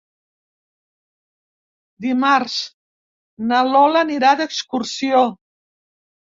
Dimarts na Lola anirà d'excursió.